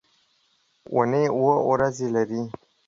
اونۍ اووه ورځې لري.